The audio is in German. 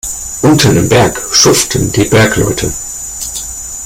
Unten im Berg schuften die Bergleute.